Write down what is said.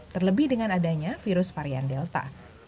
terlebih dengan adanya virus varian delta